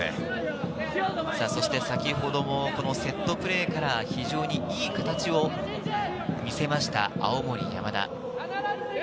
そして先ほどもこのセットプレーから非常にいい形を見せました、青森山田。